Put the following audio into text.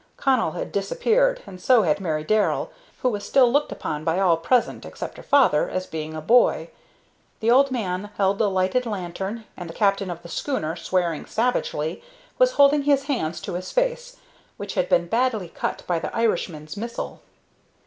Connell had disappeared, and so had Mary Darrell, who was still looked upon by all present, except her father, as being a boy. The old man held the lighted lantern, and the captain of the schooner, swearing savagely, was holding his hands to his face, which had been badly cut by the Irishman's missile.